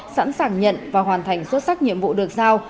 sẵn sàng nhận và hoàn thành xuất sắc nhiệm vụ được giao